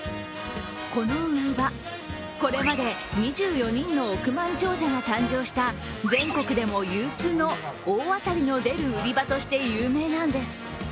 この売り場、これまで２４人の億万長者が誕生した全国でも有数の大当たりの出る売り場として有名なんです。